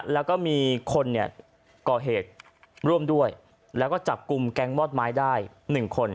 แล้วก็มีคนเนี่ยก่อเหตุร่วมด้วยแล้วก็จับกลุ่มแก๊งมอดไม้ได้๑คน